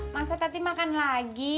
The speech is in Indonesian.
masa tadi makan lagi